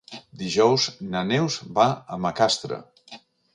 Dijous na Neus va a Macastre.